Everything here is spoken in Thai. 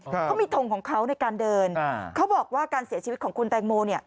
เขามีทงของเขาในการเดินอ่าเขาบอกว่าการเสียชีวิตของคุณแตงโมเนี่ย